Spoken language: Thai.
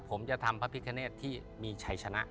ผมจะทำพระพิคเนตที่มีชัยชนะ